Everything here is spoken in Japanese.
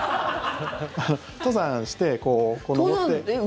登山して、こう登って。